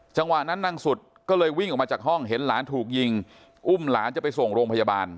จังหวะนั้นนางสุดก็เลยวิ่งออกมาจากห้องเห็นหลานถูกยิงอุ้มหลานจะไปส่งโรงพยาบาล